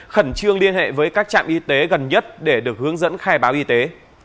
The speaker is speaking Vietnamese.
khẩn trương liên hệ với các trạm y tế gần nhất để được hướng dẫn khai báo y tế